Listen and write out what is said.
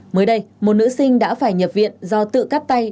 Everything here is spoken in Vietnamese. mới đây một nữ sinh đã phải nhập viện do tự cắt tay